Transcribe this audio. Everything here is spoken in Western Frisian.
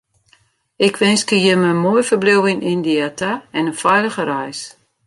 Ik winskje jimme in moai ferbliuw yn Yndia ta en in feilige reis.